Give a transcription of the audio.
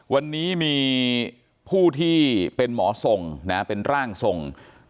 วันนี้มีผู้ที่เป็นหมอทรงเป็นร่างทรง